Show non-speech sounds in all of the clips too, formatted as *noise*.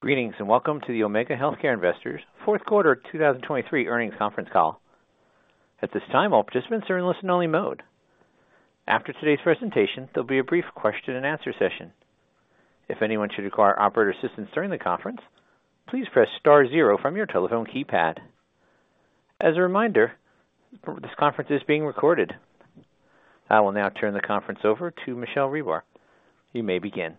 Greetings, and welcome to the Omega Healthcare Investors fourth quarter 2023 earnings conference call. At this time, all participants are in listen-only mode. After today's presentation, there'll be a brief question and answer session. If anyone should require operator assistance during the conference, please press star zero from your telephone keypad. As a reminder, this conference is being recorded. I will now turn the conference over to Michele Reber. You may begin.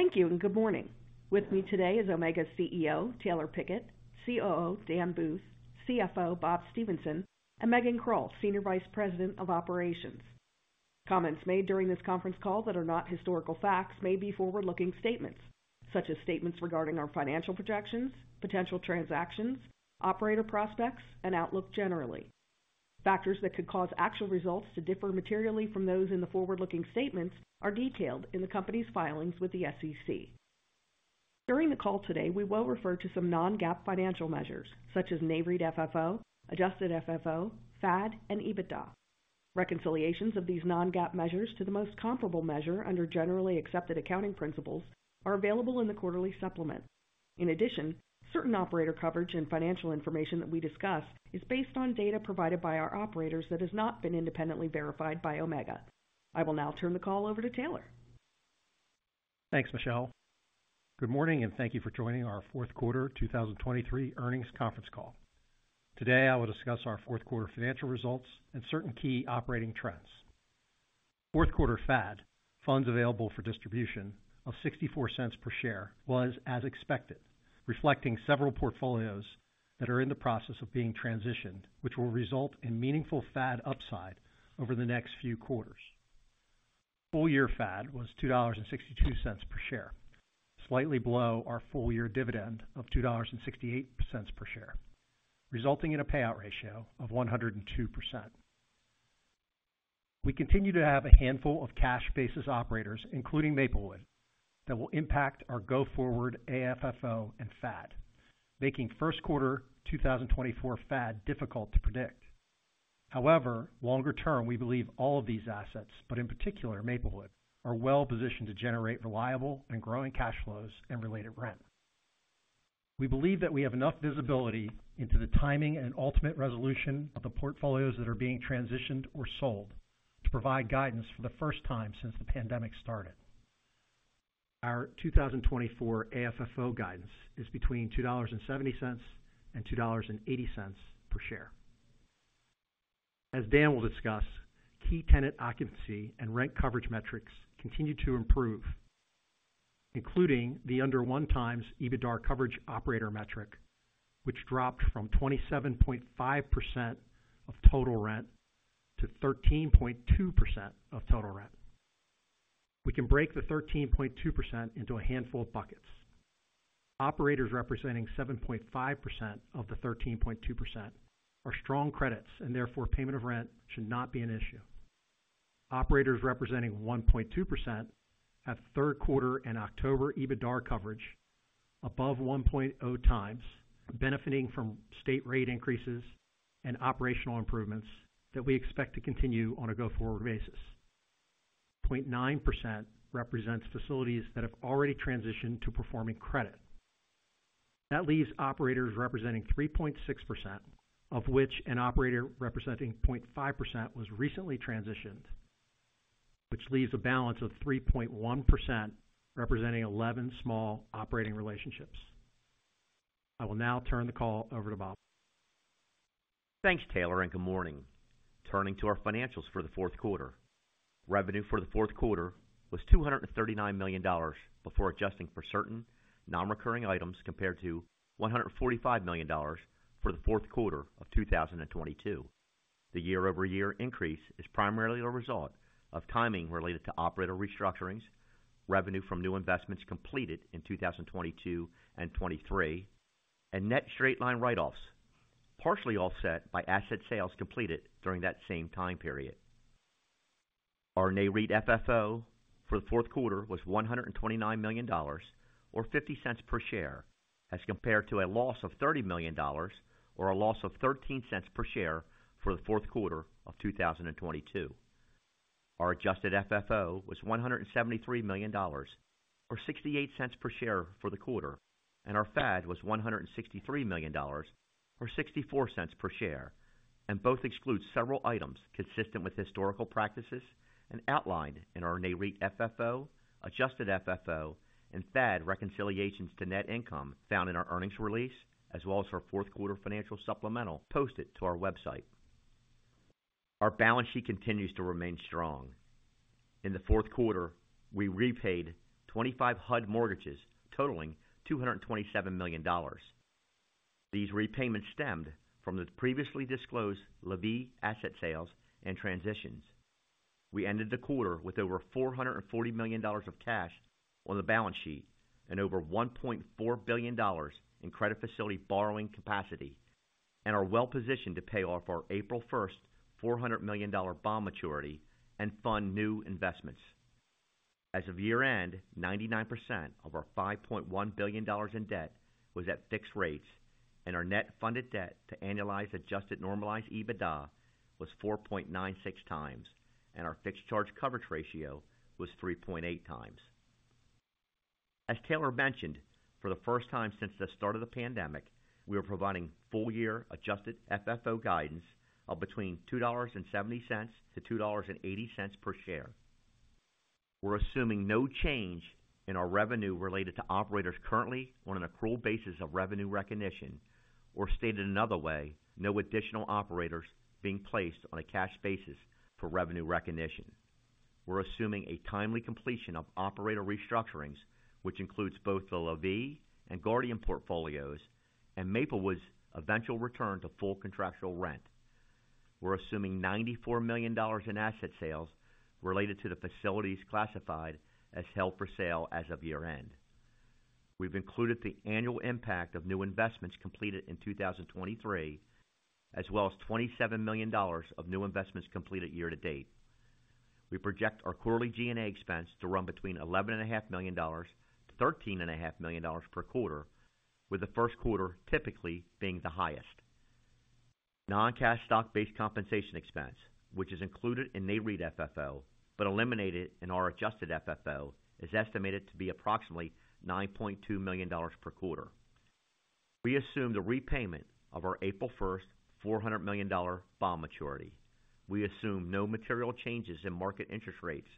Thank you, and good morning. With me today is Omega CEO, Taylor Pickett, COO, Dan Booth, CFO, Bob Stephenson, and Megan Krull, Senior Vice President of Operations. Comments made during this conference call that are not historical facts may be forward-looking statements, such as statements regarding our financial projections, potential transactions, operator prospects, and outlook generally. Factors that could cause actual results to differ materially from those in the forward-looking statements are detailed in the company's filings with the SEC. During the call today, we will refer to some non-GAAP financial measures such as NAREIT FFO, adjusted FFO, FAD, and EBITDA. Reconciliations of these non-GAAP measures to the most comparable measure under Generally Accepted Accounting Principles are available in the quarterly supplement. In addition, certain operator coverage and financial information that we discuss is based on data provided by our operators that has not been independently verified by Omega. I will now turn the call over to Taylor. Thanks, Michele. Good morning, and thank you for joining our fourth quarter 2023 earnings conference call. Today, I will discuss our fourth quarter financial results and certain key operating trends. Fourth quarter FAD, funds available for distribution of $0.64 per share, was as expected, reflecting several portfolios that are in the process of being transitioned, which will result in meaningful FAD upside over the next few quarters. Full year FAD was $2.62 per share, slightly below our full-year dividend of $2.68 per share, resulting in a payout ratio of 102%. We continue to have a handful of cash-basis operators, including Maplewood, that will impact our go-forward AFFO and FAD, making first quarter 2024 FAD difficult to predict. However, longer term, we believe all of these assets, but in particular Maplewood, are well positioned to generate reliable and growing cash flows and related rent. We believe that we have enough visibility into the timing and ultimate resolution of the portfolios that are being transitioned or sold to provide guidance for the first time since the pandemic started. Our 2024 AFFO guidance is between $2.70 and $2.80 per share. As Dan will discuss, key tenant occupancy and rent coverage metrics continue to improve, including the under 1x EBITDAR coverage operator metric, which dropped from 27.5% of total rent to 13.2% of total rent. We can break the 13.2% into a handful of buckets. Operators representing 7.5% of the 13.2% are strong credits, and therefore payment of rent should not be an issue. Operators representing 1.2% have third quarter and October EBITDAR coverage above 1.0x, benefiting from state rate increases and operational improvements that we expect to continue on a go-forward basis. 0.9% represents facilities that have already transitioned to performing credit. That leaves operators representing 3.6%, of which an operator representing 0.5% was recently transitioned, which leaves a balance of 3.1%, representing 11 small operating relationships. I will now turn the call over to Bob. Thanks, Taylor, and good morning. Turning to our financials for the fourth quarter. Revenue for the fourth quarter was $239 million before adjusting for certain non-recurring items, compared to $145 million for the fourth quarter of 2022. The year-over-year increase is primarily a result of timing related to operator restructurings, revenue from new investments completed in 2022 and 2023, and net straight-line write-offs, partially offset by asset sales completed during that same time period. Our NAREIT FFO for the fourth quarter was $129 million or $0.50 per share, as compared to a loss of $30 million or a loss of $0.13 per share for the fourth quarter of 2022. Our adjusted FFO was $173 million or $0.68 per share for the quarter, and our FAD was $163 million or $0.64 per share, and both exclude several items consistent with historical practices and outlined in our NAREIT FFO, adjusted FFO, and FAD reconciliations to net income found in our earnings release, as well as our fourth quarter financial supplemental posted to our website. Our balance sheet continues to remain strong. In the fourth quarter, we repaid 25 HUD mortgages totaling $227 million. These repayments stemmed from the previously disclosed LaVie asset sales and transitions. We ended the quarter with over $440 million of cash on the balance sheet and over $1.4 billion in credit facility borrowing capacity and are well positioned to pay off our April 1st, $400 million bond maturity and fund new investments. As of year-end, 99% of our $5.1 billion in debt was at fixed rates, and our net funded debt to annualized adjusted normalized EBITDA was 4.96x, and our fixed charge coverage ratio was 3.8x. As Taylor mentioned, for the first time since the start of the pandemic, we are providing full-year adjusted FFO guidance of between $2.70-$2.80 per share. We're assuming no change in our revenue related to operators currently on an accrual basis of revenue recognition, or stated another way, no additional operators being placed on a cash basis for revenue recognition. We're assuming a timely completion of operator restructurings, which includes both the LaVie and Guardian portfolios, and Maplewood's eventual return to full contractual rent. We're assuming $94 million in asset sales related to the facilities classified as held for sale as of year-end. We've included the annual impact of new investments completed in 2023, as well as $27 million of new investments completed year to date. We project our quarterly G&A expense to run between $11.5 million-$13.5 million per quarter, with the first quarter typically being the highest. Non-cash stock-based compensation expense, which is included in NAREIT FFO, but eliminated in our adjusted FFO, is estimated to be approximately $9.2 million per quarter. We assume the repayment of our April 1st, $400 million bond maturity. We assume no material changes in market interest rates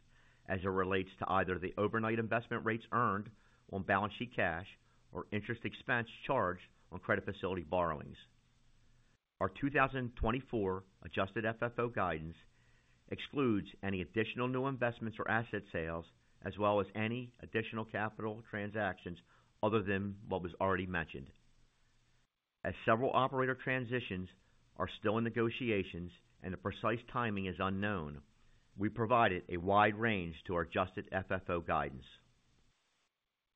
as it relates to either the overnight investment rates earned on balance sheet cash or interest expense charged on credit facility borrowings. Our 2024 adjusted FFO guidance excludes any additional new investments or asset sales, as well as any additional capital transactions other than what was already mentioned. As several operator transitions are still in negotiations and the precise timing is unknown, we provided a wide range to our adjusted FFO guidance.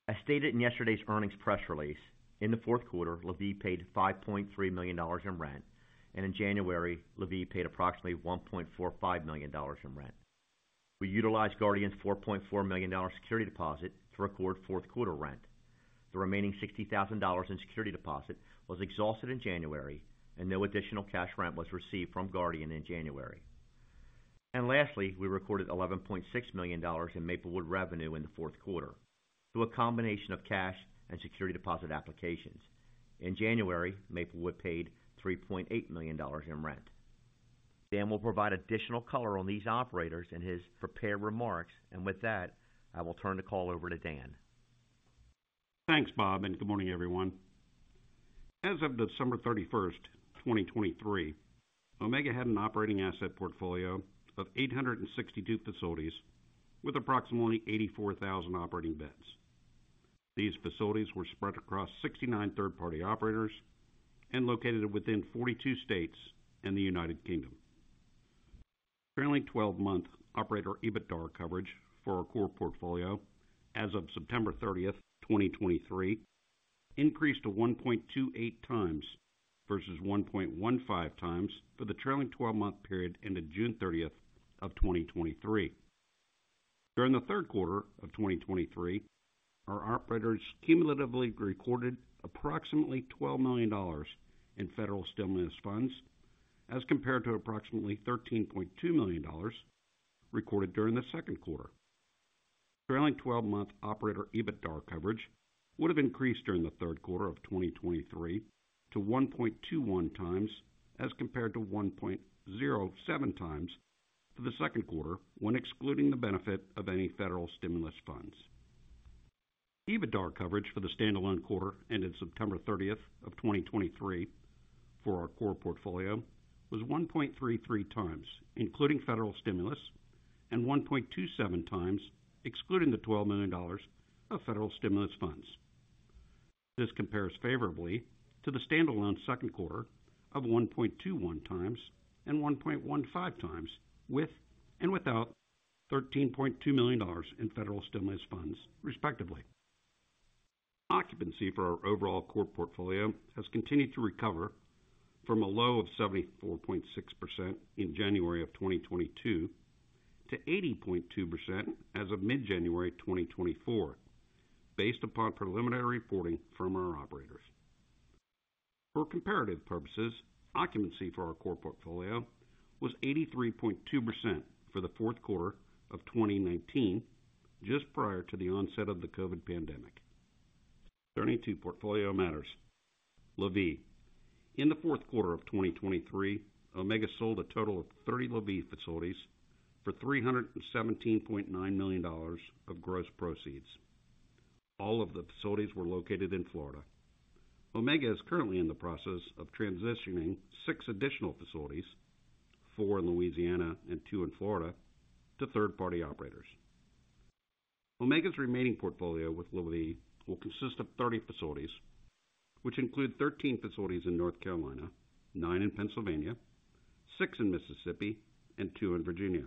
As stated in yesterday's earnings press release, in the fourth quarter, LaVie paid $5.3 million in rent, and in January, LaVie paid approximately $1.45 million in rent. We utilized Guardian's $4.4 million security deposit to record fourth quarter rent. The remaining $60,000 in security deposit was exhausted in January, and no additional cash rent was received from Guardian in January. And lastly, we recorded $11.6 million in Maplewood revenue in the fourth quarter, through a combination of cash and security deposit applications. In January, Maplewood paid $3.8 million in rent. Dan will provide additional color on these operators in his prepared remarks, and with that, I will turn the call over to Dan. Thanks, Bob, and good morning, everyone. As of December 31st, 2023, Omega had an operating asset portfolio of 862 facilities with approximately 84,000 operating beds. These facilities were spread across 69 third-party operators and located within 42 states and the United Kingdom. Trailing 12-month operator EBITDAR coverage for our core portfolio as of September 30th, 2023, increased to 1.28x versus 1.15x for the trailing 12-month period ended June 30th of 2023. During the third quarter of 2023, our operators cumulatively recorded approximately $12 million in federal stimulus funds, as compared to approximately $13.2 million recorded during the second quarter. Trailing 12-month operator EBITDAR coverage would have increased during the third quarter of 2023 to 1.21x as compared to 1.07x for the second quarter, when excluding the benefit of any federal stimulus funds. EBITDAR coverage for the standalone quarter ended September 30th, 2023 for our core portfolio was 1.33x, including federal stimulus, and 1.27x, excluding the $12 million of federal stimulus funds. This compares favorably to the standalone second quarter of 1.21x and 1.15x, with and without $13.2 million in federal stimulus funds, respectively. Occupancy for our overall core portfolio has continued to recover from a low of 74.6% in January 2022 to 80.2% as of mid-January 2024, based upon preliminary reporting from our operators. For comparative purposes, occupancy for our core portfolio was 83.2% for the fourth quarter of 2019, just prior to the onset of the COVID pandemic. Turning to portfolio matters. LaVie. In the fourth quarter of 2023, Omega sold a total of 30 LaVie facilities for $317.9 million of gross proceeds. All of the facilities were located in Florida. Omega is currently in the process of transitioning six additional facilities, four in Louisiana and two in Florida, to third-party operators. Omega's remaining portfolio with LaVie will consist of 30 facilities, which include 13 facilities in North Carolina, nine in Pennsylvania, six in Mississippi, and two in Virginia.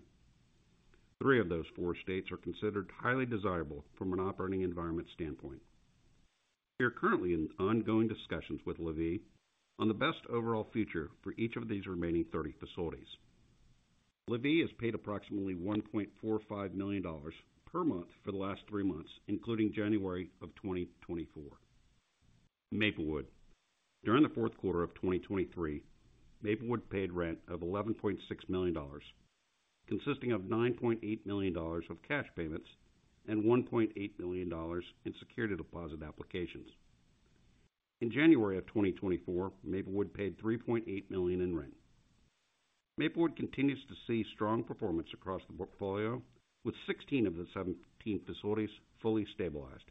Three of those four states are considered highly desirable from an operating environment standpoint. We are currently in ongoing discussions with LaVie on the best overall future for each of these remaining 30 facilities. LaVie has paid approximately $1.45 million per month for the last three months, including January 2024. Maplewood. During the fourth quarter of 2023, Maplewood paid rent of $11.6 million, consisting of $9.8 million of cash payments and $1.8 million in security deposit applications. In January 2024, Maplewood paid $3.8 million in rent. Maplewood continues to see strong performance across the portfolio, with 16 of the 17 facilities fully stabilized.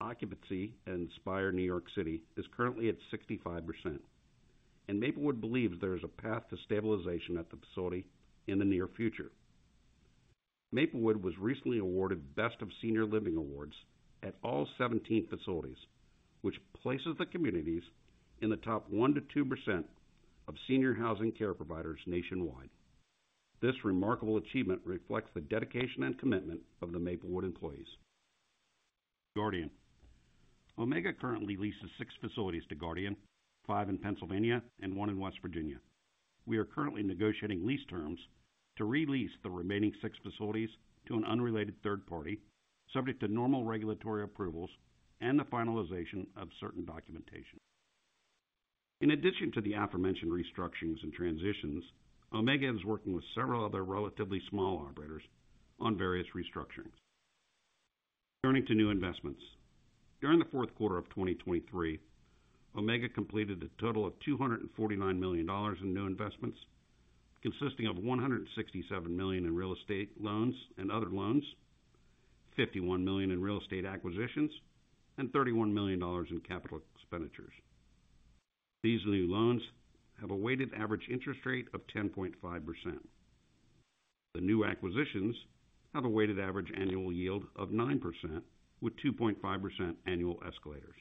Occupancy at Inspir New York City is currently at 65%, and Maplewood believes there is a path to stabilization at the facility in the near future. Maplewood was recently awarded Best of Senior Living Awards at all 17 facilities, which places the communities in the top 1%-2% of senior housing care providers nationwide. This remarkable achievement reflects the dedication and commitment of the Maplewood employees. Guardian. Omega currently leases six facilities to Guardian, five in Pennsylvania and one in West Virginia. We are currently negotiating lease terms to re-lease the remaining six facilities to an unrelated third party, subject to normal regulatory approvals and the finalization of certain documentation. In addition to the aforementioned restructurings and transitions, Omega is working with several other relatively small operators on various restructurings. Turning to new investments. During the fourth quarter of 2023, Omega completed a total of $249 million in new investments, consisting of $167 million in real estate loans and other loans, $51 million in real estate acquisitions, and $31 million in capital expenditures. These new loans have a weighted average interest rate of 10.5%. The new acquisitions have a weighted average annual yield of 9%, with 2.5% annual escalators.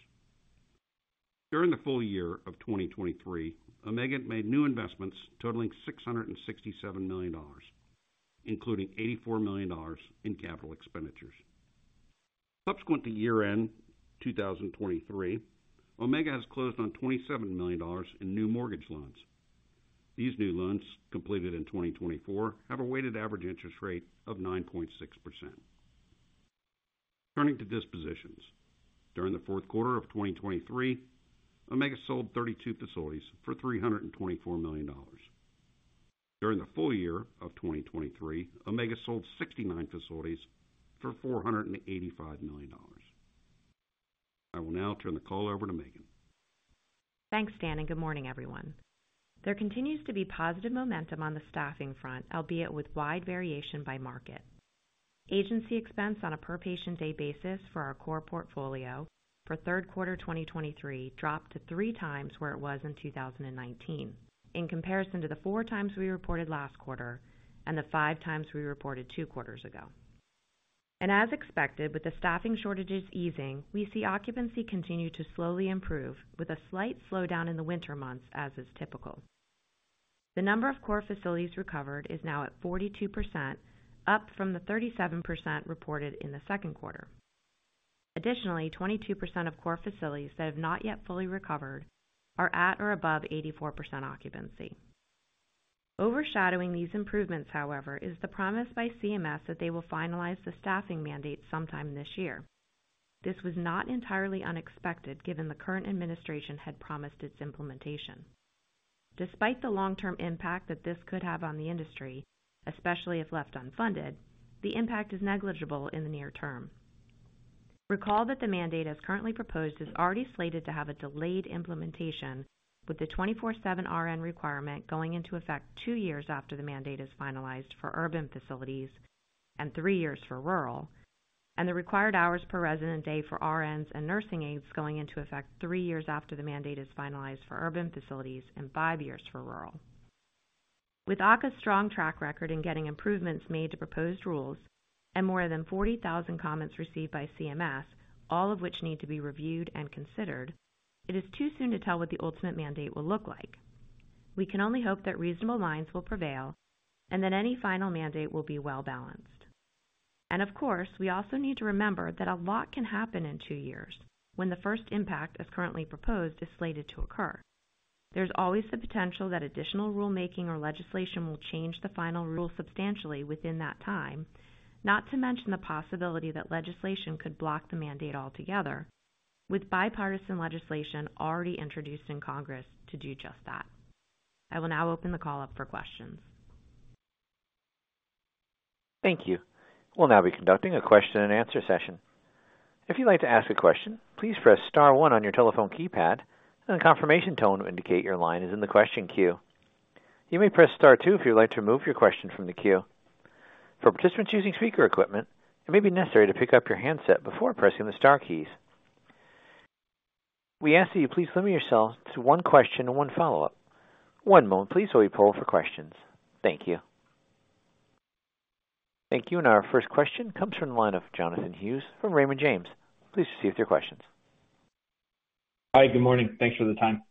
During the full year of 2023, Omega made new investments totaling $667 million, including $84 million in capital expenditures. Subsequent to year-end 2023, Omega has closed on $27 million in new mortgage loans. These new loans, completed in 2024, have a weighted average interest rate of 9.6%. Turning to dispositions. During the fourth quarter of 2023, Omega sold 32 facilities for $324 million. During the full year of 2023, Omega sold 69 facilities for $485 million. I will now turn the call over to Megan. Thanks, Dan, and good morning, everyone. There continues to be positive momentum on the staffing front, albeit with wide variation by market. Agency expense on a per patient day basis for our core portfolio for third quarter 2023 dropped to 3x where it was in 2019, in comparison to the 4x we reported last quarter and the 5x we reported two quarters ago. And as expected, with the staffing shortages easing, we see occupancy continue to slowly improve, with a slight slowdown in the winter months, as is typical. The number of core facilities recovered is now at 42%, up from the 37% reported in the second quarter. Additionally, 22% of core facilities that have not yet fully recovered are at or above 84% occupancy. Overshadowing these improvements, however, is the promise by CMS that they will finalize the staffing mandate sometime this year. This was not entirely unexpected, given the current administration had promised its implementation. Despite the long-term impact that this could have on the industry, especially if left unfunded, the impact is negligible in the near term. Recall that the mandate, as currently proposed, is already slated to have a delayed implementation, with the 24/7 RN requirement going into effect two years after the mandate is finalized for urban facilities and three years for rural, and the required hours per resident day for RNs and nursing aides going into effect three years after the mandate is finalized for urban facilities and five years for rural. With AHCA's strong track record in getting improvements made to proposed rules and more than 40,000 comments received by CMS, all of which need to be reviewed and considered, it is too soon to tell what the ultimate mandate will look like. We can only hope that reasonable minds will prevail and that any final mandate will be well balanced. Of course, we also need to remember that a lot can happen in two years when the first impact, as currently proposed, is slated to occur. There's always the potential that additional rulemaking or legislation will change the final rule substantially within that time, not to mention the possibility that legislation could block the mandate altogether, with bipartisan legislation already introduced in Congress to do just that. I will now open the call up for questions. Thank you. We'll now be conducting a question and answer session. If you'd like to ask a question, please press star one on your telephone keypad, and a confirmation tone will indicate your line is in the question queue. You may press star two if you'd like to remove your question from the queue. For participants using speaker equipment, it may be necessary to pick up your handset before pressing the star keys. We ask that you please limit yourself to one question and one follow-up. One moment, please, while we poll for questions. Thank you. Thank you, and our first question comes from the line of Jonathan Hughes from Raymond James. Please proceed with your questions. Hi, good morning. Thanks for the time.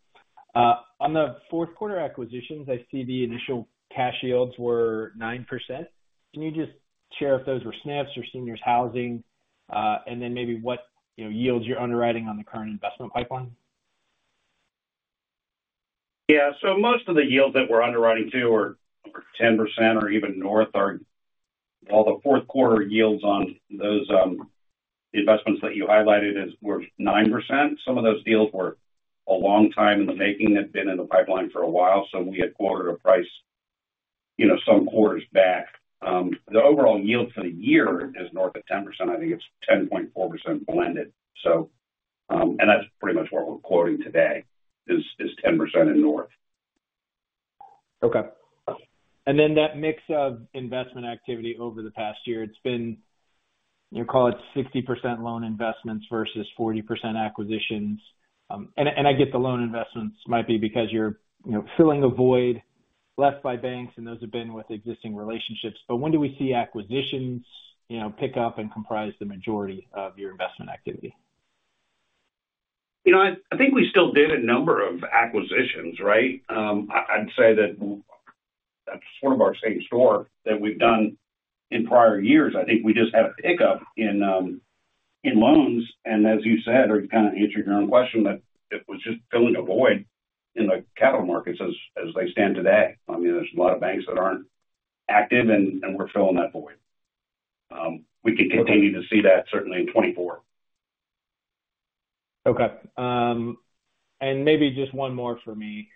On the fourth quarter acquisitions, I see the initial cash yields were 9%. Can you just share if those were SNFs or seniors housing, and then maybe what yields you're underwriting on the current investment pipeline? Yeah, so most of the yields that we're underwriting to are over 10% or even north are, well, the fourth quarter yields on those, the investments that you highlighted as were 9%. Some of those deals were a long time in the making, had been in the pipeline for a while, so we had quoted a price, you know, some quarters back. The overall yield for the year is north of 10%. I think it's 10.4% blended. So, and that's pretty much what we're quoting today, is, is 10% and north. Okay. Then that mix of investment activity over the past year, it's been, you call it 60% loan investments versus 40% acquisitions. And I get the loan investments might be because you're, you know, filling a void left by banks, and those have been with existing relationships. But when do we see acquisitions, you know, pick up and comprise the majority of your investment activity? You know, I think we still did a number of acquisitions, right? I'd say that that's sort of our same store that we've done in prior years. I think we just had a pickup in in loans, and as you said, or to kind of answer your own question, that it was just filling a void in the capital markets as as they stand today. I mean, there's a lot of banks that aren't active, and and we're filling that void. We can continue to see that certainly in 2024. Okay. And maybe just one more for me.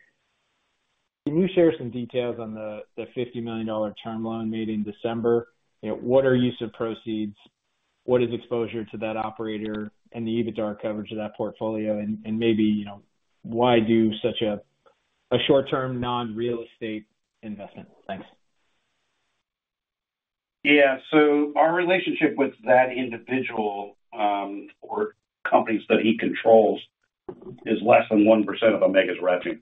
Can you share some details on the $50 million term loan made in December? You know, what are use of proceeds? What is exposure to that operator and the EBITDAR coverage of that portfolio? And maybe, you know, why do such a short-term, non-real estate investment? Thanks. Yeah. So our relationship with that individual or companies that he controls is less than 1% of Omega's revenue.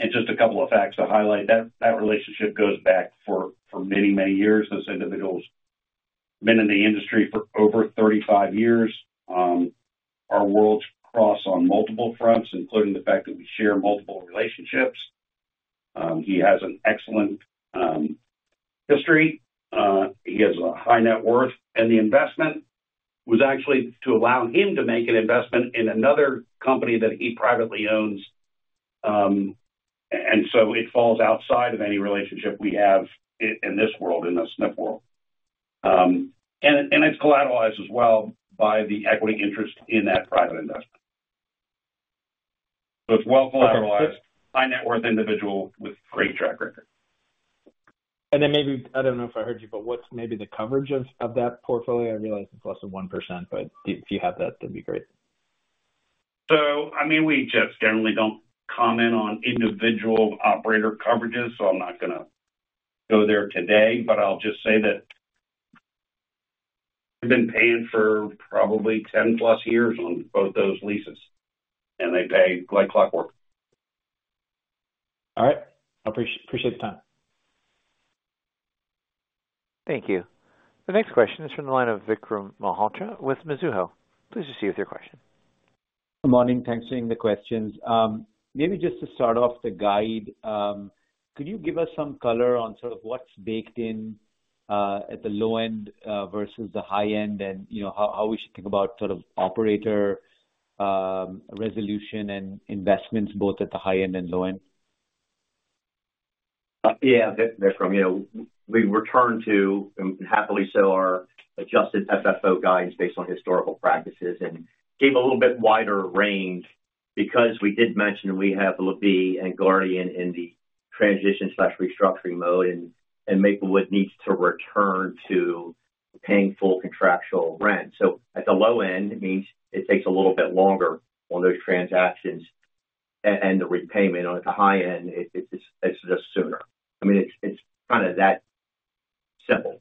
And just a couple of facts to highlight. That relationship goes back for many years. This individual's been in the industry for over 35 years. Our worlds cross on multiple fronts, including the fact that we share multiple relationships. He has an excellent history, he has a high net worth, and the investment was actually to allow him to make an investment in another company that he privately owns. And so it falls outside of any relationship we have in this world, in the SNF world. And it's collateralized as well by the equity interest in that private investment. So it's well collateralized, high net worth individual with great track record. Maybe, I don't know if I heard you, but what's maybe the coverage of, of that portfolio? I realize it's less than 1%, but if you have that, that'd be great. So, I mean, we just generally don't comment on individual operator coverages, so I'm not gonna go there today, but I'll just say that they've been paying for probably 10+ years on both those leases, and they pay like clockwork. All right. I appreciate, appreciate the time. Thank you. The next question is from the line of Vikram Malhotra with Mizuho. Please proceed with your question. Good morning. Thanks for taking the questions. Maybe just to start off the guide, could you give us some color on sort of what's baked in at the low end versus the high end? You know, how, how we should think about sort of operator resolution and investments both at the high end and low end. Yeah, Vikram, you know, we returned to, and happily so, our adjusted FFO guidance based on historical practices and gave a little bit wider range because we did mention we have LaVie and Guardian in the transition/restructuring mode, and Maplewood needs to return to paying full contractual rent. So at the low end, it means it takes a little bit longer on those transactions and the repayment, or at the high end, it's just sooner. I mean, it's kind of that simple.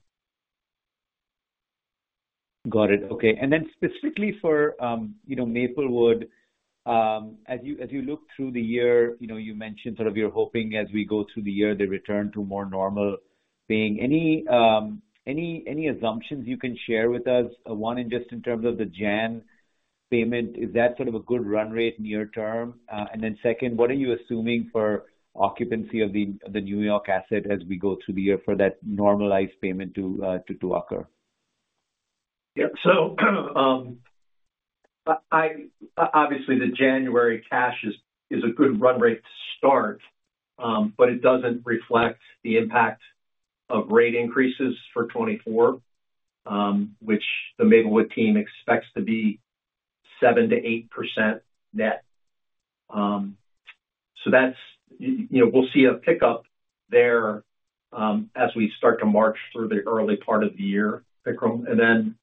Got it. Okay. And then specifically for, you know, Maplewood, as you, as you look through the year, you know, you mentioned sort of you're hoping as we go through the year, they return to more normal paying. Any assumptions you can share with us, one, in just in terms of the January payment, is that sort of a good run rate near term? And then second, what are you assuming for occupancy of the New York asset as we go through the year for that normalized payment to occur? Yeah. So, obviously, the January cash is a good run rate to start, but it doesn't reflect the impact of rate increases for 2024, which the Maplewood team expects to be 7%-8% net. So that's, you know, we'll see a pickup there, as we start to march through the early part of the year, Vikram. And then,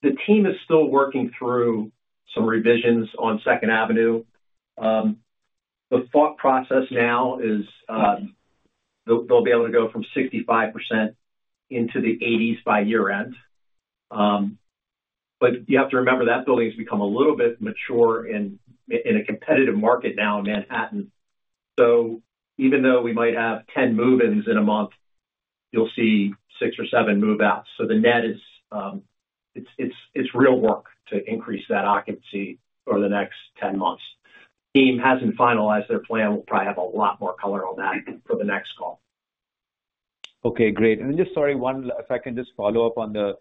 the team is still working through some revisions on Second Avenue. The thought process now is, they'll be able to go from 65% into the 80s by year-end. But you have to remember, that building has become a little bit mature in a competitive market now in Manhattan. So even though we might have 10 move-ins in a month, you'll see six or seven move-outs. So the net is, it's real work to increase that occupancy over the next 10 months. Team hasn't finalized their plan. We'll probably have a lot more color on that for the next call. Okay, great. And then just sorry, one—if I can just follow up on the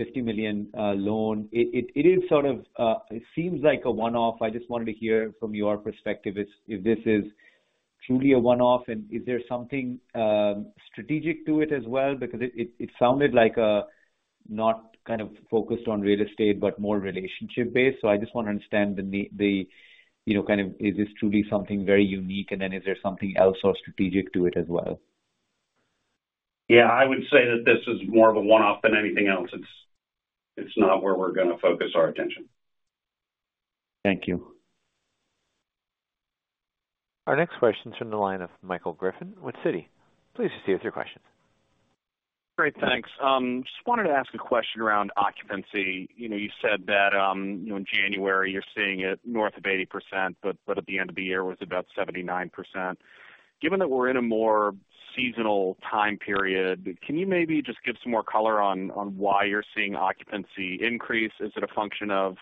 $50 million loan. It is sort of, it seems like a one-off. I just wanted to hear from your perspective if this is truly a one-off, and is there something strategic to it as well? Because it sounded like a not kind of focused on real estate, but more relationship-based. So I just want to understand, you know, kind of, is this truly something very unique, and then is there something else or strategic to it as well? Yeah, I would say that this is more of a one-off than anything else. It's not where we're gonna focus our attention. Thank you. Our next question is from the line of Michael Griffin with Citi. Please proceed with your questions. Great, thanks. Just wanted to ask a question around occupancy. You know, you said that, you know, in January, you're seeing it north of 80%, but at the end of the year, it was about 79%. Given that we're in a more seasonal time period, can you maybe just give some more color on why you're seeing occupancy increase? Is it a function of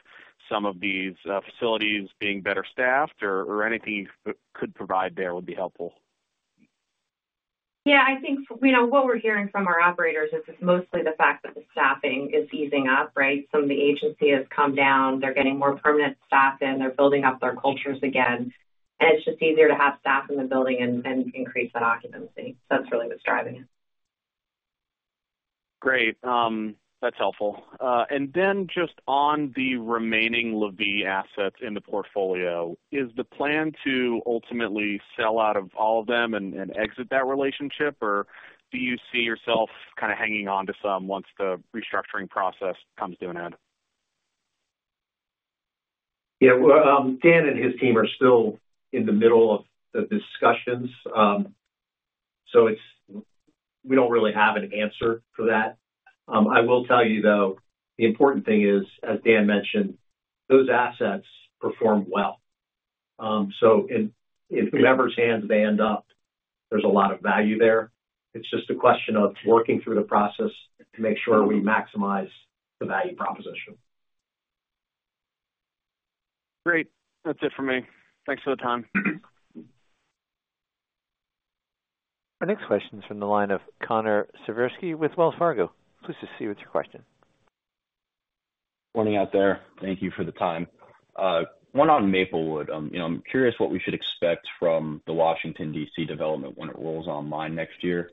some of these facilities being better staffed, or anything you could provide there would be helpful. Yeah, I think, you know, what we're hearing from our operators is it's mostly the fact that the staffing is easing up, right? Some of the agency has come down. They're getting more permanent staff in, they're building up their cultures again, and it's just easier to have staff in the building and increase that occupancy. So that's really what's driving it. Great. That's helpful. And then just on the remaining LaVie assets in the portfolio, is the plan to ultimately sell out of all of them and, and exit that relationship? Or do you see yourself kind of hanging on to some once the restructuring process comes to an end? Yeah, well, Dan and his team are still in the middle of the discussions. So it's, we don't really have an answer for that. I will tell you, though, the important thing is, as Dan mentioned, those assets performed well. So in whoever's hands they end up, there's a lot of value there. It's just a question of working through the process to make sure we maximize the value proposition. Great. That's it for me. Thanks for the time. Our next question is from the line of Connor Siversky with Wells Fargo. Please proceed with your question. Morning out there. Thank you for the time. One on Maplewood. You know, I'm curious what we should expect from the Washington, D.C., development when it rolls online next year.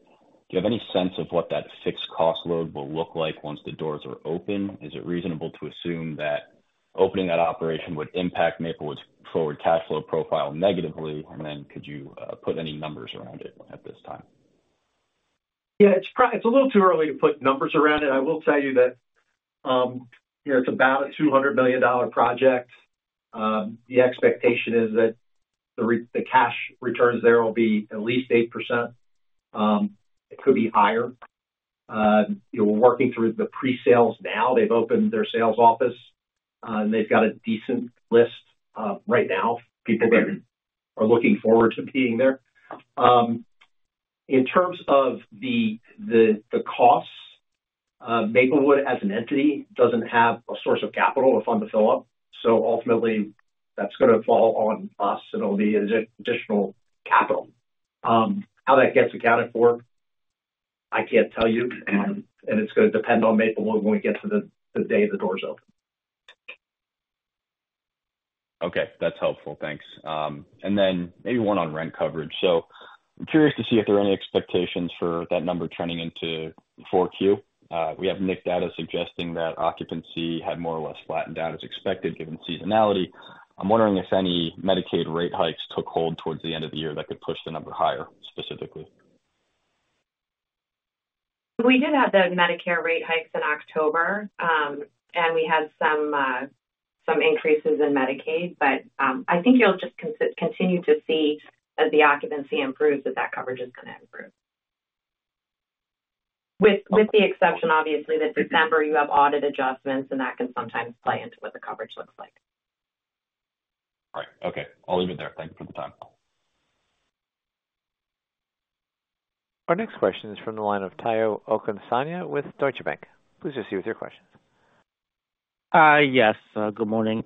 Do you have any sense of what that fixed cost load will look like once the doors are open? Is it reasonable to assume that opening that operation would impact Maplewood's forward cash flow profile negatively? And then could you put any numbers around it at this time? Yeah, it's pretty—it's a little too early to put numbers around it. I will tell you that, you know, it's about a $200 million project. The expectation is that the returns—the cash returns there will be at least 8%, it could be higher. We're working through the presales now. They've opened their sales office, and they've got a decent list. Right now, people are looking forward to being there. In terms of the costs, Maplewood, as an entity, doesn't have a source of capital or fund to fill up, so ultimately that's gonna fall on us, and it'll be additional capital. How that gets accounted for, I can't tell you, and it's gonna depend on Maplewood when we get to the day the doors open. Okay, that's helpful. Thanks. Then maybe one on rent coverage. I'm curious to see if there are any expectations for that number trending into 4Q. We have NIC data suggesting that occupancy had more or less flattened out as expected, given seasonality. I'm wondering if any Medicaid rate hikes took hold towards the end of the year that could push the number higher, specifically? We did have the Medicare rate hikes in October, and we had some increases in Medicaid, but I think you'll just continue to see as the occupancy improves, that that coverage is gonna improve. With the exception, obviously, that December you have audit adjustments, and that can sometimes play into what the coverage looks like. All right. Okay, I'll leave it there. Thank you for the time. Our next question is from the line of Omotayo Okusanya with Deutsche Bank. Please proceed with your questions. Yes, good morning.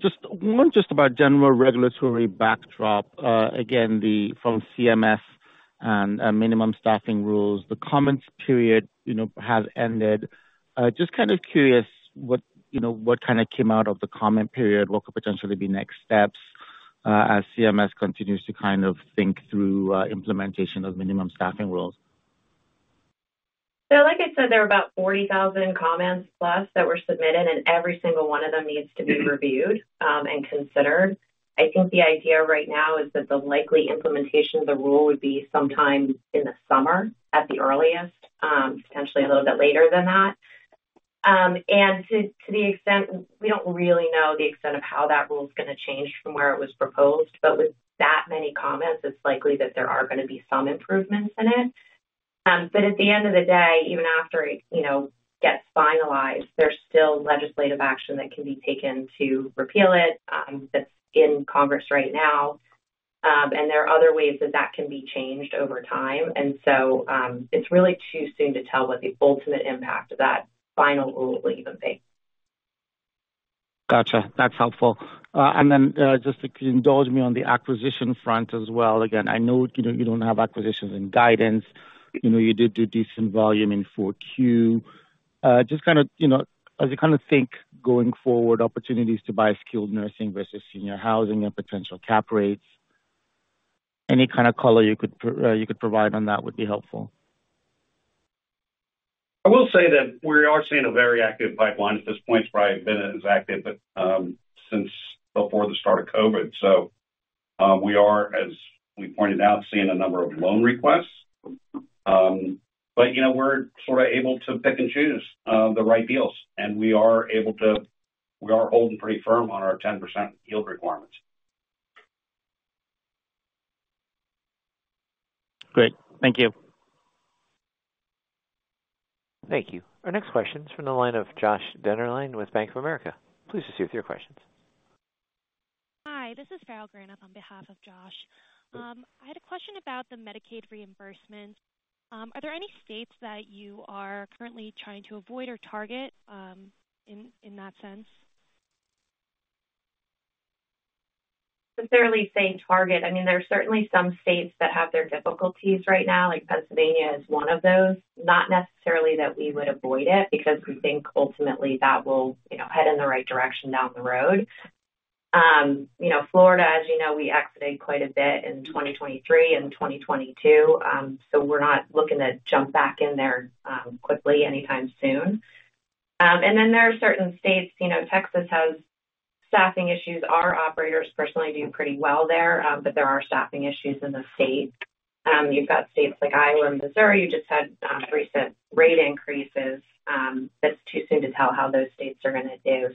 Just one, just about general regulatory backdrop. Again, the one from CMS and minimum staffing rules, the comment period, you know, has ended. Just kind of curious, what, you know, what kind of came out of the comment period, what could potentially be next steps, as CMS continues to kind of think through implementation of minimum staffing rules? Like I said, there are about 40,000+ comments that were submitted, and every single one of them needs to be reviewed and considered. I think the idea right now is that the likely implementation of the rule would be sometime in the summer, at the earliest, potentially a little bit later than that. To the extent we don't really know the extent of how that rule is gonna change from where it was proposed, but with that many comments, it's likely that there are gonna be some improvements in it. But at the end of the day, even after it you know gets finalized, there's still legislative action that can be taken to repeal it that's in Congress right now. And there are other ways that that can be changed over time. It's really too soon to tell what the ultimate impact of that final rule will even be. Gotcha, that's helpful. And then, just if you indulge me on the acquisition front as well. Again, I know, you know, you don't have acquisitions and guidance. You know, you did do decent volume in 4Q. Just kind of, you know, as you kind of think going forward, opportunities to buy skilled nursing versus senior housing and potential cap rates, any kind of color you could provide on that would be helpful. I will say that we are seeing a very active pipeline at this point. It's probably been as active, but since before the start of COVID. So, we are, as we pointed out, seeing a number of loan requests. But, you know, we're sort of able to pick and choose, the right deals, and we are holding pretty firm on our 10% yield requirements. Great. Thank you. Thank you. Our next question is from the line of Josh Dennerlein with Bank of America. Please proceed with your questions. Hi, this is Farrell Granath on behalf of Josh. I had a question about the Medicaid reimbursement. Are there any states that you are currently trying to avoid or target, in that sense? Certainly saying target, I mean, there are certainly some states that have their difficulties right now, like Pennsylvania is one of those. Not necessarily that we would avoid it, because we think ultimately that will, you know, head in the right direction down the road. You know, Florida, as you know, we exited quite a bit in 2023 and 2022. So we're not looking to jump back in there, quickly anytime soon. And then there are certain states, you know, Texas has staffing issues. Our operators personally do pretty well there, but there are staffing issues in the state. You've got states like Iowa and Missouri, who just had, recent rate increases. It's too soon to tell how those states are gonna do.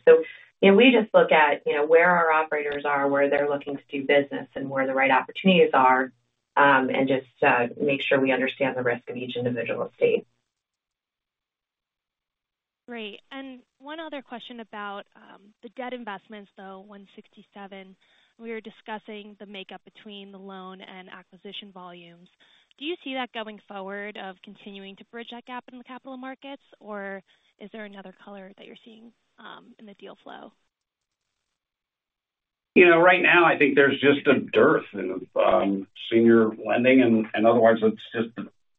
You know, we just look at, you know, where our operators are, where they're looking to do business, and where the right opportunities are, and just make sure we understand the risk of each individual state. Great. And one other question about the debt investments, though, $167 million. We were discussing the makeup between the loan and acquisition volumes. Do you see that going forward, of continuing to bridge that gap in the capital markets, or is there another color that you're seeing in the deal flow? You know, right now, I think there's just a dearth in senior lending and otherwise it's just,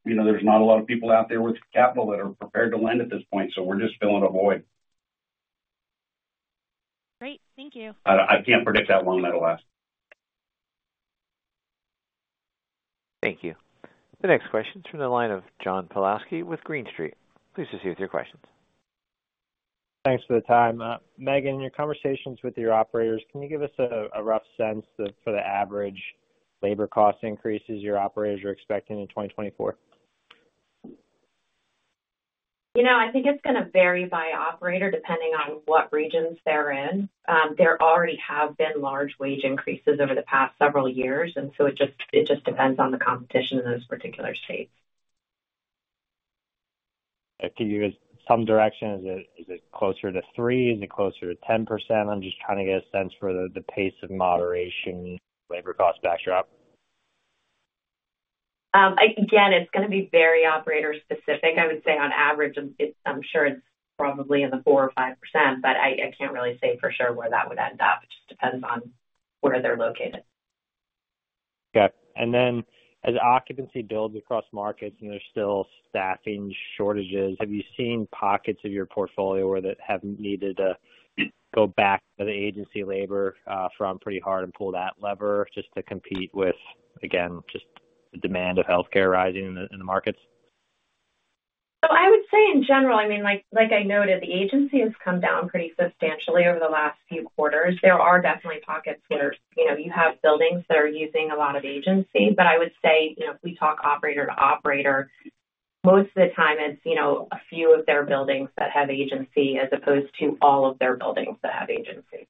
you know, there's not a lot of people out there with capital that are prepared to lend at this point, so we're just filling a void. Great. Thank you. I can't predict how long that'll last. Thank you. The next question is from the line of John Pawlowski with Green Street. Please proceed with your questions. Thanks for the time. Megan, your conversations with your operators, can you give us a rough sense of for the average labor cost increases your operators are expecting in 2024? You know, I think it's gonna vary by operator, depending on what regions they're in. There already have been large wage increases over the past several years, and so it just depends on the competition in those particular states. Can you give us some direction? Is it, is it closer to 3%? Is it closer to 10%? I'm just trying to get a sense for the, the pace of moderation, labor cost backdrop. Again, it's gonna be very operator specific. I would say on average, it's, I'm sure it's probably in the 4%-5%, but I can't really say for sure where that would end up. It just depends on where they're located. Okay. And then, as occupancy builds across markets and there's still staffing shortages, have you seen pockets of your portfolio where that have needed to go back to the agency labor firm pretty hard and pull that lever just to compete with, again, just the demand of healthcare rising in the markets? So I would say in general, I mean, like, like I noted, the agency has come down pretty substantially over the last few quarters. There are definitely pockets where, you know, you have buildings that are using a lot of agency, but I would say, you know, if we talk operator to operator, most of the time it's, you know, a few of their buildings that have agency as opposed to all of their buildings that have agency.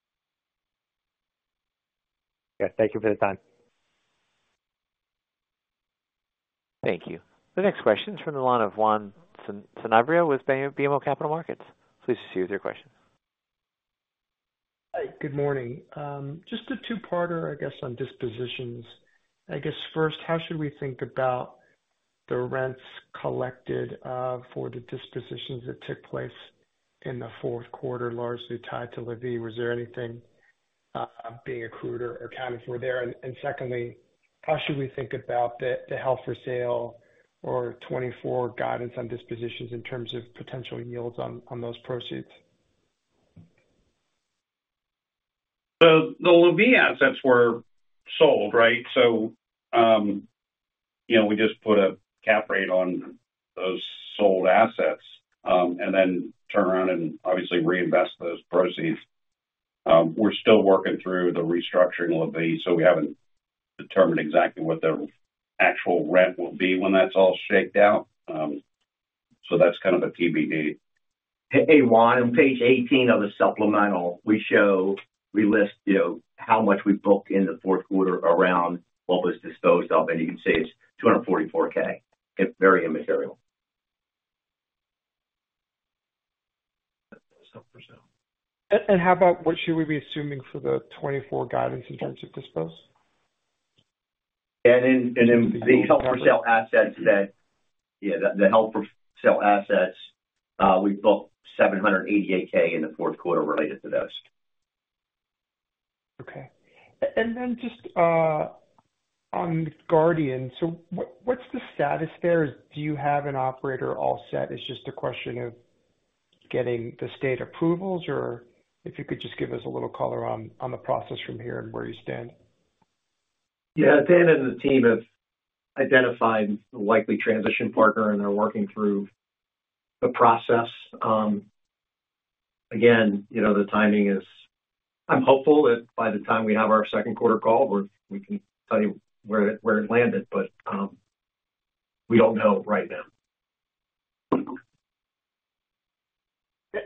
Yeah. Thank you for the time. Thank you. The next question is from the line of Juan Sanabria with BMO Capital Markets. Please proceed with your question. Hi, good morning. Just a two-parter, I guess, on dispositions. I guess first, how should we think about the rents collected for the dispositions that took place in the fourth quarter, largely tied to LaVie? Was there anything being accrued or accounted for there? And secondly, how should we think about the held for sale or 2024 guidance on dispositions in terms of potential yields on those proceeds? So the LaVie assets were sold, right? So, you know, we just put a cap rate on those sold assets, and then turn around and obviously reinvest those proceeds. We're still working through the restructuring LaVie, so we haven't determined exactly what the actual rent will be when that's all shaken out. So that's kind of a TBD. Hey, Juan, on Page 18 of the supplemental, we show—we list, you know, how much we booked in the fourth quarter around what was disposed of, and you can see it's $244,000. It's very immaterial. So. *audio distortion* How about what should we be assuming for the 2024 guidance in terms of dispose? And in the held-for-sale assets that, yeah, the held-for-sale assets, we booked $788K in the fourth quarter related to those. Okay. And then just, on Guardian, so what, what's the status there? Do you have an operator all set? It's just a question of getting the state approvals, or if you could just give us a little color on the process from here and where you stand. Yeah, Dan and the team have identified the likely transition partner, and they're working through the process. Again, you know, the timing is, I'm hopeful that by the time we have our second quarter call, we can tell you where it landed, but we don't know right now.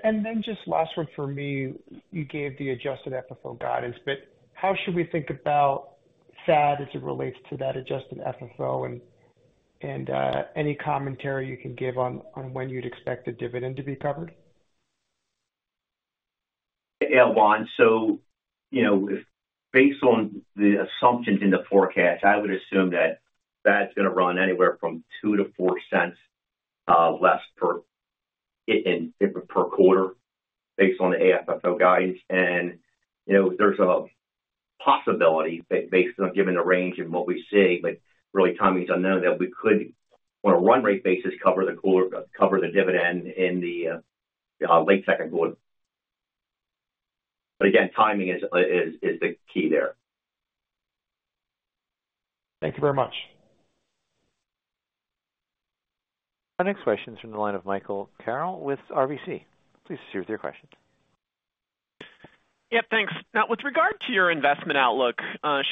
And then just last one for me. You gave the adjusted FFO guidance, but how should we think about FAD as it relates to that adjusted FFO? And any commentary you can give on when you'd expect the dividend to be covered? Yeah, Juan, so, you know, if based on the assumptions in the forecast, I would assume that FAD's gonna run anywhere from $0.02-$0.04 less per share per quarter based on the AFFO guidance. And, you know, there's a possibility based on given the range of what we see, but really timing is unknown, that we could, on a run rate basis, cover the dividend in the late second quarter. But again, timing is the key there. Thank you very much. Our next question is from the line of Michael Carroll with RBC. Please proceed with your questions. Yep, thanks. Now, with regard to your investment outlook,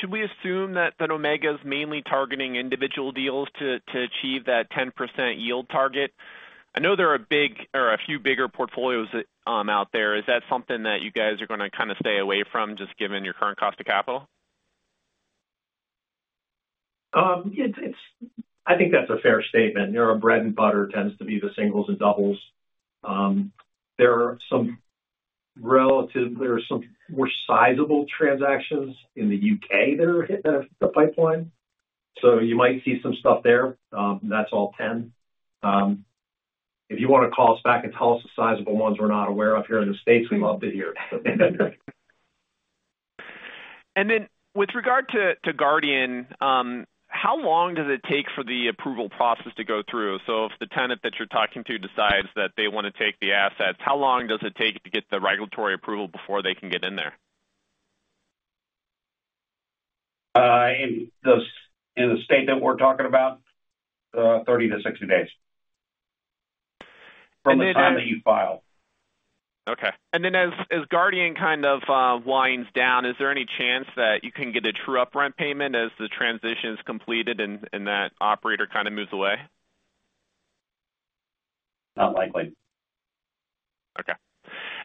should we assume that, that Omega's mainly targeting individual deals to, to achieve that 10% yield target? I know there are big or a few bigger portfolios, out there. Is that something that you guys are gonna kind of stay away from, just given your current cost of capital? It's, I think that's a fair statement. You know, our bread and butter tends to be the singles and doubles. There are some more sizable transactions in the U.K. that are in the pipeline, so you might see some stuff there. That's all 10. If you wanna call us back and tell us the sizable ones we're not aware of here in the States, we'd love to hear. And then with regard to to Guardian, how long does it take for the approval process to go through? So if the tenant that you're talking to decides that they wanna take the assets, how long does it take to get the regulatory approval before they can get in there? In those, in the state that we're talking about? 30-60 days from the time that you file. Okay. And then as Guardian kind of winds down, is there any chance that you can get a true up rent payment as the transition is completed and that operator kind of moves away? Not likely. Okay.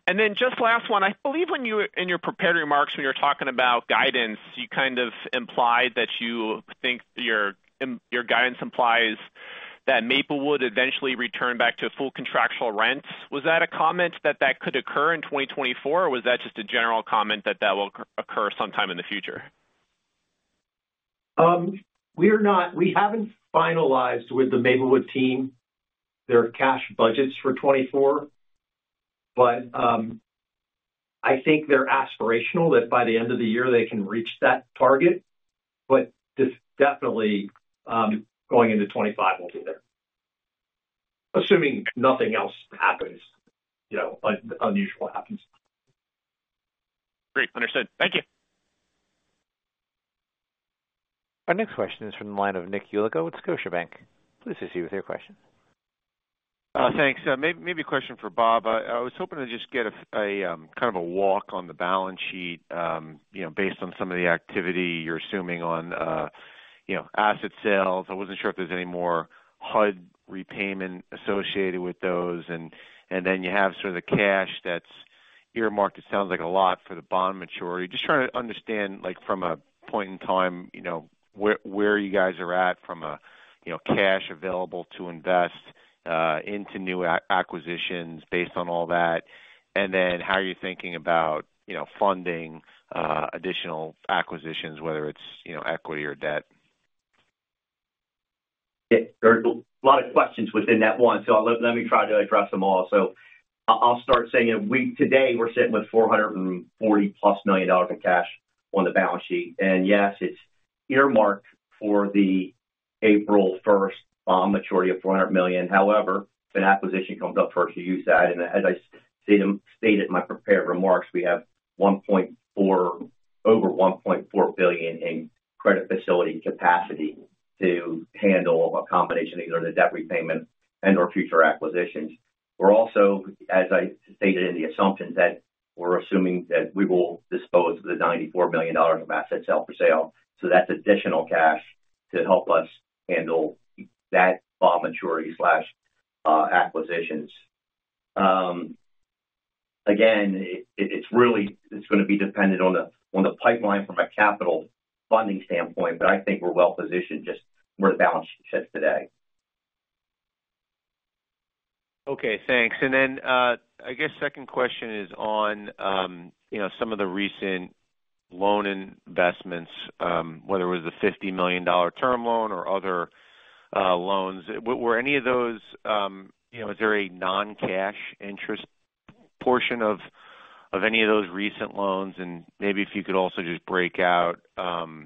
And then just last one. I believe when you, in your prepared remarks, when you were talking about guidance, you kind of implied that you think your guidance implies that Maplewood eventually return back to full contractual rents. Was that a comment that that could occur in 2024, or was that just a general comment that that will occur sometime in the future? We're not, we haven't finalized with the Maplewood team their cash budgets for 2024, but, I think they're aspirational that by the end of the year, they can reach that target. But definitely, going into 2025, we'll be there, assuming nothing else happens, you know, unusual happens. Great. Understood. Thank you. Our next question is from the line of Nick Yulico with Scotiabank. Please proceed with your question. Thanks. Maybe a question for Bob. I was hoping to just get a kind of a walk on the balance sheet. You know, based on some of the activity you're assuming on, you know, asset sales. I wasn't sure if there's any more HUD repayment associated with those. And then you have sort of the cash that's earmarked, it sounds like a lot for the bond maturity. Just trying to understand, like from a point in time, you know, where you guys are at from a, you know, cash available to invest into new acquisitions based on all that. And then how are you thinking about, you know, funding additional acquisitions, whether it's, you know, equity or debt? Yeah. There are a lot of questions within that one, so let me try to address them all. So I'll start saying we today we're sitting with $440+ million in cash on the balance sheet. And yes, it's earmarked for the April 1st bond maturity of $400 million. However, if an acquisition comes up first, we use that, and as I stated in my prepared remarks, we have over $1.4 billion in credit facility capacity to handle a combination, either the debt repayment and/or future acquisitions. We're also, as I stated in the assumptions, that we're assuming that we will dispose of the $94 million of assets held for sale, so that's additional cash to help us handle that bond maturity slash acquisitions. Again, it's really gonna be dependent on the pipeline from a capital funding standpoint, but I think we're well positioned just where the balance sheet sits today. Okay, thanks. And then, I guess second question is on, you know, some of the recent loan investments, whether it was the $50 million term loan or other loans. Were any of those, you know, is there a non-cash interest portion of any of those recent loans? And maybe if you could also just break out, you know,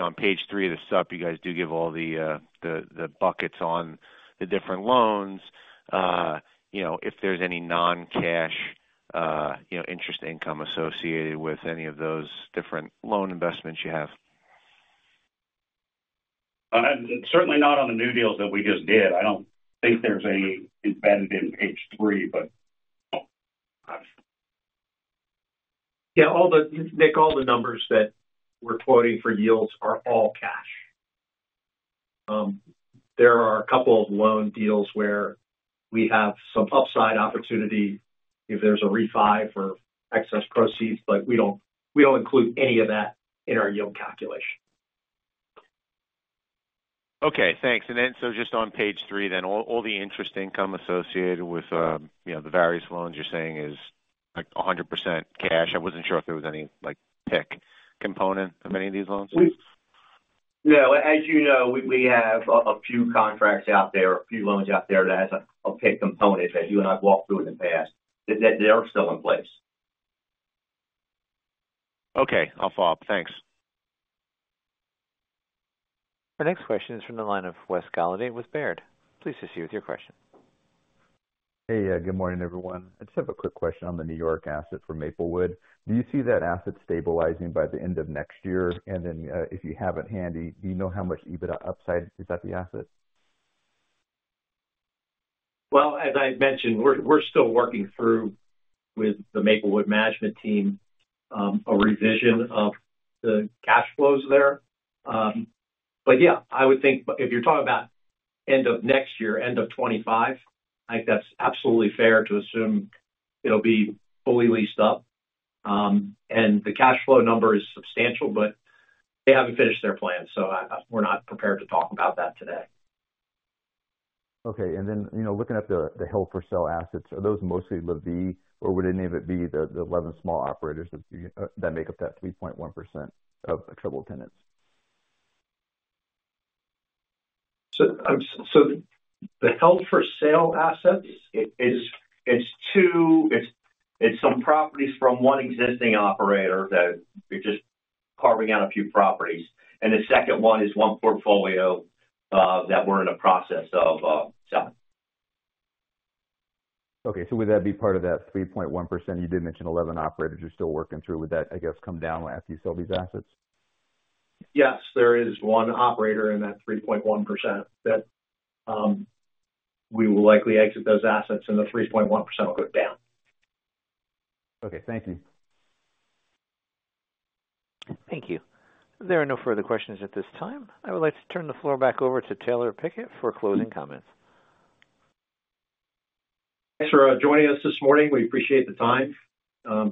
on page three of the sup, you guys do give all the, the buckets on the different loans. You know, if there's any non-cash, you know, interest income associated with any of those different loan investments you have. Certainly not on the new deals that we just did. I don't think there's any embedded in Page 3, but. Yeah, all the, Nick, all the numbers that we're quoting for yields are all cash. There are a couple of loan deals where we have some upside opportunity if there's a refi or excess proceeds, but we don't, we don't include any of that in our yield calculation. Okay, thanks. Just on Page 3, then, all the interest income associated with, you know, the various loans you're saying is, like, 100% cash? I wasn't sure if there was any, like, PIK component of any of these loans. Yeah, as you know, we have a few contracts out there, a few loans out there that has a PIK component that you and I've walked through in the past, that they are still in place. Okay. I'll follow up. Thanks. The next question is from the line of Wes Gollady with Baird. Please proceed with your question. Hey, good morning, everyone. I just have a quick question on the New York asset for Maplewood. Do you see that asset stabilizing by the end of next year? And then, if you have it handy, do you know how much EBITDA upside is at the asset? Well, as I mentioned, we're still working through with the Maplewood management team, a revision of the cash flows there. But yeah, I would think if you're talking about end of next year, end of 2025, I think that's absolutely fair to assume it'll be fully leased up. And the cash flow number is substantial, but they haven't finished their plan, so we're not prepared to talk about that today. Okay. And then, you know, looking at the held-for-sale assets, are those mostly LaVie, or would any of it be the 11 small operators that make up that 3.1% of the triple tenants? So, the held-for-sale assets, it's two. It's some properties from one existing operator that we're just carving out a few properties, and the second one is one portfolio that we're in the process of selling. Okay. So would that be part of that 3.1%? You did mention 11 operators you're still working through. Would that, I guess, come down after you sell these assets? Yes, there is one operator in that 3.1% that we will likely exit those assets, and the 3.1% will go down. Okay. Thank you. Thank you. There are no further questions at this time. I would like to turn the floor back over to Taylor Pickett for closing comments. Thanks for joining us this morning. We appreciate the time.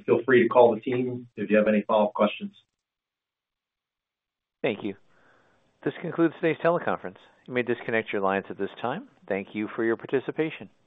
Feel free to call the team if you have any follow-up questions. Thank you. This concludes today's teleconference. You may disconnect your lines at this time. Thank you for your participation.